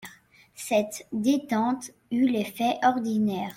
Cette détente eut l'effet ordinaire.